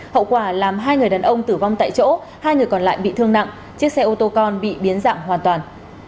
hậu quả làm hai người đàn ông tử vong tại chỗ hai người còn lại bị thương nặng chiếc xe ô tô con bị biến dạng hoàn toàn